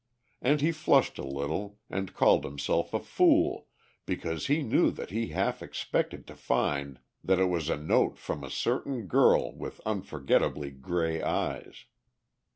And he flushed a little and called himself a fool because he knew that he half expected to find that it was a note from a certain girl with unforgettable grey eyes.